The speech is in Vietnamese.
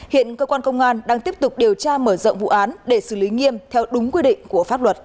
hiện cơ quan công an đang tiếp tục điều tra mở rộng vụ án để xử lý nghiêm theo đúng quy định của pháp luật